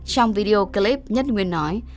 trong video clip nhất nguyên nói